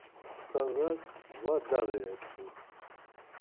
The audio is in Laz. Sarğas var dağiret̆u.